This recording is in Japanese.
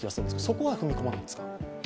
そこは踏み込まないんですか。